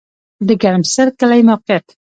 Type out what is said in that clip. د ګرمسر کلی موقعیت